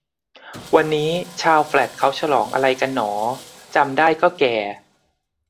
วันนี้ชาวแฟลตเขาฉลองอะไรกันหนอ จำได้ก็แก่